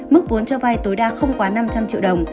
mức vốn cho vai tối đa không quá năm trăm linh triệu đồng